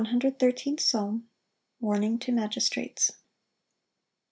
As the 113th Psalm. Warning to magistrates.